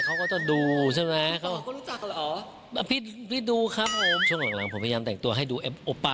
เค้าก็ต้องดูใช่ไหม